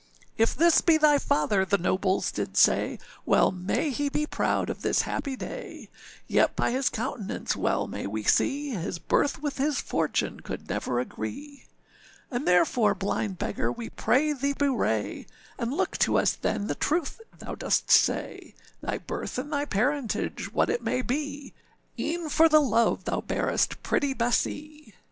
â âIf this be thy father,â the nobles did say, âWell may he be proud of this happy day, Yet by his countenance well may we see, His birth with his fortune could never agree; And therefore, blind beggar, we pray thee bewray, And look to us then the truth thou dost say, Thy birth and thy parentage what it may be, Eâen for the love thou bearest pretty Bessee.